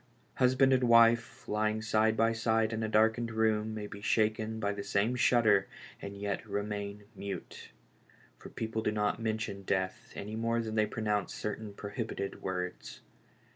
Husband and wife lying side by side in the darkened room may be shaken by the same shudder and yet remain mute ; for people do not mention death any more than they pronounce certain prohibeted words.